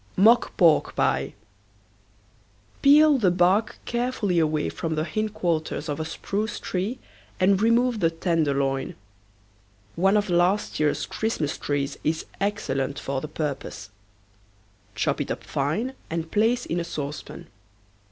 MOCK PORK PIE. Peel the bark carefully away from the hindquarters of a spruce tree and remove the tenderloin. One of last year's Christmas trees is excellent for the purpose. Chop it up fine and place in a saucepan.